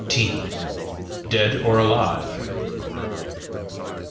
DEAD OR ALIVE?